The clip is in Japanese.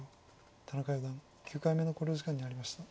田中四段９回目の考慮時間に入りました。